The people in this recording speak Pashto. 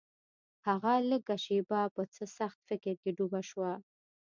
هغه لږه شېبه په څه سخت فکر کې ډوبه شوه.